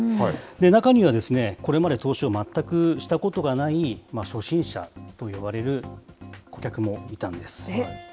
中には、これまで投資を全くしたことがない初心者といわれる顧客もいたんえ？